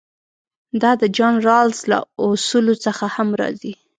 دا د جان رالز له اصولو څخه هم راځي.